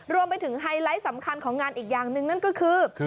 รวมไปถึงไฮไลท์สำคัญของงานอีกอย่างนึงนั่นก็คือ